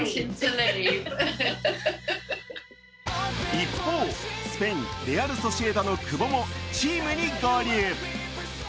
一方、スペイン、レアル・ソシエダの久保もチームに合流。